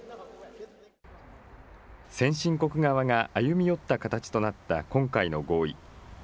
先進国側が歩み寄った形となった今回の合意。